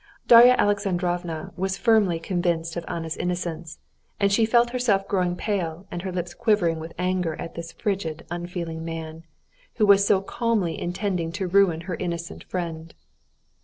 Darya Alexandrovna was firmly convinced of Anna's innocence, and she felt herself growing pale and her lips quivering with anger at this frigid, unfeeling man, who was so calmly intending to ruin her innocent friend.